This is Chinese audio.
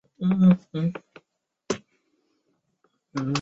兰卡斯特城堡是位于英国英格兰兰卡斯特的一座中世纪城堡。